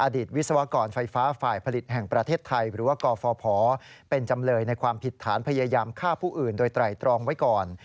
ตวิศวกรไฟฟ้าฝ่ายผลิตแห่งประเทศไทยหรือว่ากฟภเป็นจำเลยในความผิดฐานพยายามฆ่าผู้อื่นโดยไตรตรองไว้ก่อน